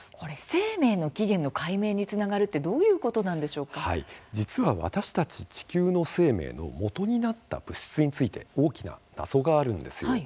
生命の起源の解明につながるって実は私たち地球の生命のもとになった物質について大きな謎があるんですよ。